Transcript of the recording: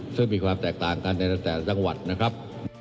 ซึ่งมีความแตกต่างกันในแต่ละจังหวัดนะครับ